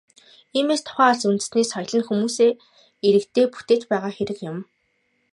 Иймээс, тухайн улс үндэстний соёл нь хүмүүсээ, иргэдээ бүтээж байгаа хэрэг юм.